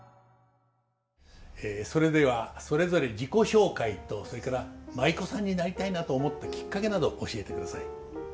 それではそれぞれ自己紹介とそれから舞妓さんになりたいなと思ったきっかけなど教えてください。